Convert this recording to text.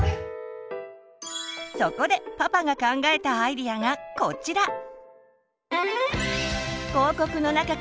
そこでパパが考えたアイデアがこちら！